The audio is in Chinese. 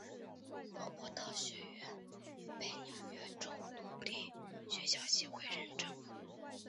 罗伯特学院被纽约州独立学校协会认证。